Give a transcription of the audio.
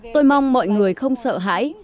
tôi mong mọi người không sợ hãi